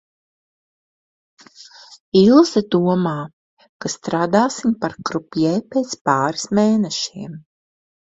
Ilze domā, ka strādāsim par krupjē pēc pāris mēnešiem.